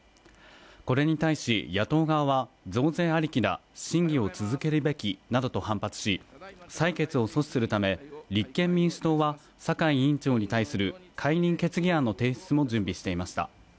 これに対し野党側は、増税ありきだ、審議を続けるべきなどと反発し採決を阻止するため、立憲民主党は、酒井委員長に対する解任決議案の提出も準備していました。